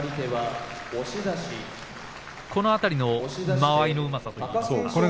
この辺りの間合いのうまさというか。